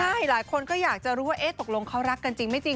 ใช่หลายคนก็อยากจะรู้ว่าตกลงเขารักกันจริงไม่จริง